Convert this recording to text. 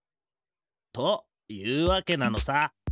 というわけなのさ。